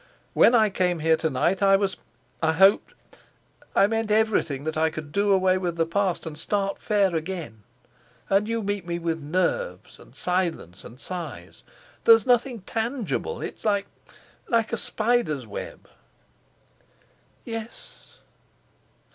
"When I came here to night I was—I hoped—I meant everything that I could to do away with the past, and start fair again. And you meet me with 'nerves,' and silence, and sighs. There's nothing tangible. It's like—it's like a spider's web." "Yes."